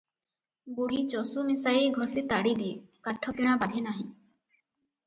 ବୁଢ଼ୀ ଚଷୁ ମିଶାଇ ଘଷି ତାଡ଼ି ଦିଏ, କାଠ କିଣା ବାଧେ ନାହିଁ ।